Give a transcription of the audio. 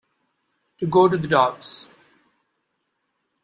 To go to the dogs.